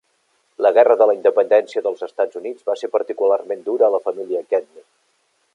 La Guerra de la Independència dels Estats Units va ser particularment dura a la família Gedney.